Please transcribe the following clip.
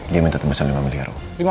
dia minta tembakan lima miliar om